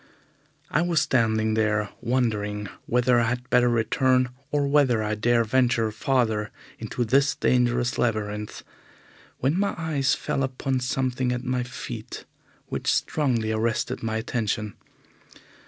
I was standing there wondering whether I had better return, or whether I dare venture farther into this dangerous labyrinth, when my eyes fell upon something at my feet which strongly arrested my attention.